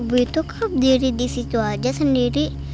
ibu itu kok berdiri disitu aja sendiri